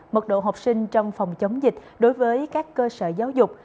mật độ học sinh trong phòng chống dịch đối với các cơ sở giáo dục